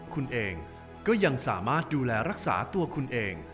คุณเองก็ยังสามารถดูแลรักษาตัวคุณเอง